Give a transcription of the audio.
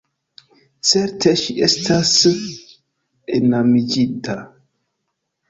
Certe ŝi estas enamiĝinta.